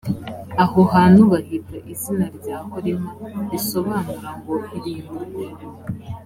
aho hantu bahita izina rya horima, risobanura ngo ’irimburwa’.